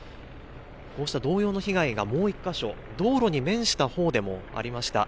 こうした同様の被害がもう１か所、道路に面したほうでもありました。